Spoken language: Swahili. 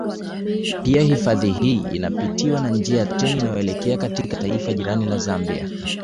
Pia hifadhi hii inapitiwa na njia ya treni inayoelekea katika taifa jirani la Zambia